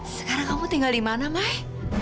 sekarang kamu tinggal di mana mai